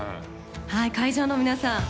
はい会場の皆さん。